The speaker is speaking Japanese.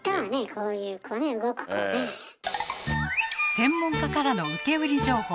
専門家からの受け売り情報。